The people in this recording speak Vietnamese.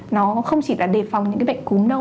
nó không chỉ là đề phòng những cái bệnh cúm đâu